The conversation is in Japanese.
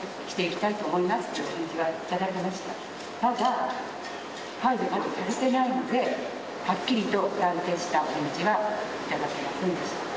ただ、解除がまだされてないので、はっきりと断定したお返事はいただけませんでした。